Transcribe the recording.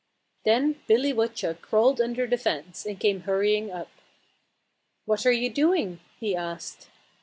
Then Billy Woodchuck crawled under the fence and came hurrying up. "What are you doing?" he asked.